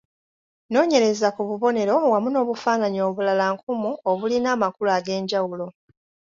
Noonyereza ku bubonero wamu n’obufaananyi obulala nkumu obulina amakulu ag’enjawulo.